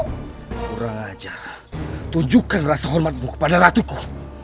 kurang ajar tunjukkan rasa hormatmu kepada ratuku